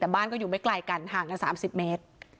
แต่บ้านก็อยู่ไม่ไกลกันห่างกัน๓๐เมตร